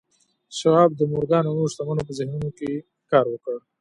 شواب د مورګان او نورو شتمنو په ذهنونو کې کار وکړ